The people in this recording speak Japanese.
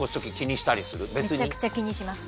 めちゃくちゃ気にします。